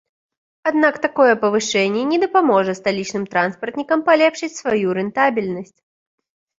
Аднак такое павышэнне не дапаможа сталічным транспартнікам палепшыць сваю рэнтабельнасць.